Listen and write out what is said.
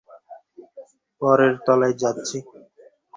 পরের তলায় যাচ্ছি।